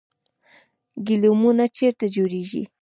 ګلیمونه چیرته جوړیږي؟